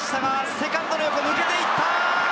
セカンドの横抜けていった！